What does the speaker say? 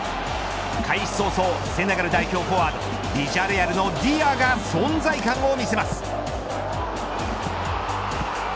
開始早々セネガル代表フォワードヴィジャレアルのディアが存在感を見せます。